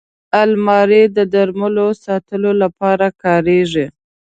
الماري د درملو ساتلو لپاره کارېږي